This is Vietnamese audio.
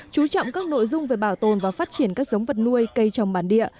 chú trọng các nội dung về bảo tồn và phát triển các giống vật nuôi cây trồng bản địa